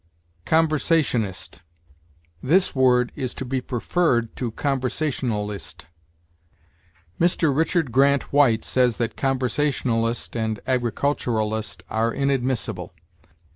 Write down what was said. CONVERSATIONIST. This word is to be preferred to conversationalist. Mr. Richard Grant White says that conversationalist and agriculturalist are inadmissible.